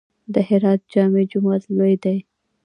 د هرات جامع جومات لوی دی